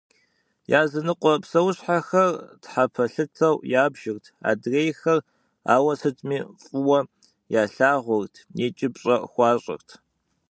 Языныкъуэ псэущхьэхэр тхьэпэлъытэу ябжырт, адрейхэр ауэ сытми фӏыуэ ялъагъурт икӏи пщӏэ хуащӏырт.